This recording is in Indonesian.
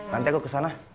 nanti aku kesana